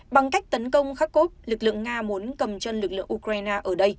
bằng cách tấn công kharkov lực lượng nga muốn cầm chân lực lượng ukraine ở đây